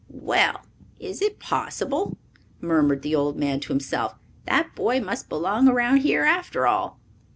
"Well, is it possible!" murmured the old man to himself. "That boy must belong around here after all!"